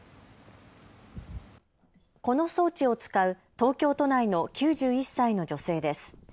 この装置を使う東京都内の９１歳の女性です。